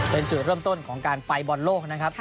เป็นจุดเริ่มต้นของการไปบอลโลกนะครับ